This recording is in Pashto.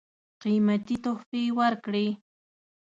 قېمتي تحفې ورکړې.